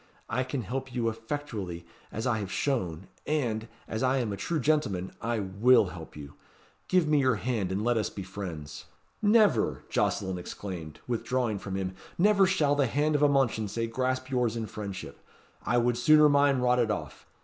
I can help you effectually, as I have shown; and, as I am a true gentleman, I will help you. Give me your hand, and let us be friends!" "Never!" Jocelyn exclaimed, withdrawing from him, "never shall the hand of a Mounchensey grasp yours in friendship! I would sooner mine rotted off!